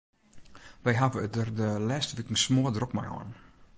Wy hawwe it der de lêste wiken smoardrok mei hân.